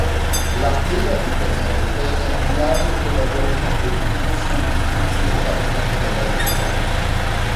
La "Tela di Penelope" è un diario pedagogico vivo sul difficile cammino della riforma.